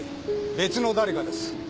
別の誰かです。